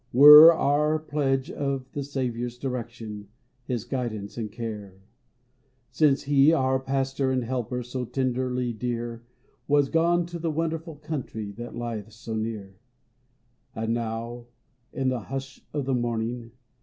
Were our pledge of the Saviour's direction, His guidance and care, — 58 PHILLIPS BROOKS. Since he, our pastor and helper, So tenderly dear, Has gone to the Wonderful Country That lieth so near ! And now, in the hush of the morning.